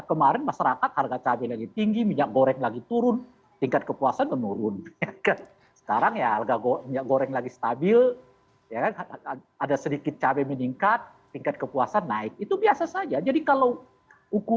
kemauan dari lingkaran dalam begitu